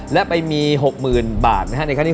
และไปมี๖๐๐๐๐บาท